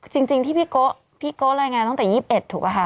จริงที่พี่โก๊ะพี่โก๊ะรายงานตั้งแต่๒๑นถูกไหมคะ